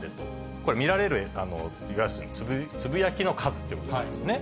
これ、見られる、いわゆるつぶやきの数ってことなんですよね。